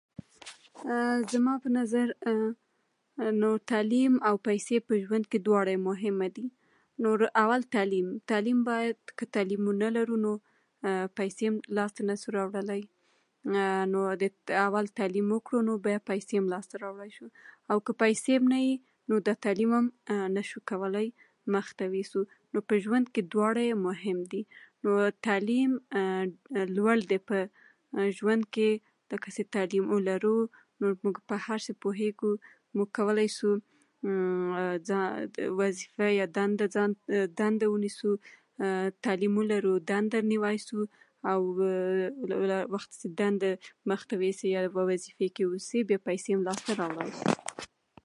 او که پیسی نه وی نو تغلیم هم نشودکولایدنودپهدژوندذکی دواره مهم دیدزما په نظر تعلیم